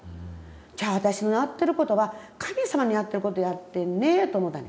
じゃあ私のやってることは神様にやってることやってんねえと思うたねん。